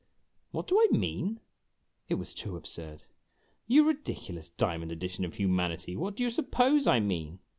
"What do I mean?" It was too absurd. "You ridiculous dia mond edition of humanity, what do you suppose I mean